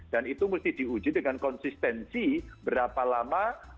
dan itu mesti diuji dengan konsistensi berapa lama